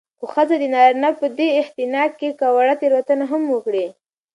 خو ښځه د نارينه په دې اختناق کې که وړه تېروتنه هم وکړي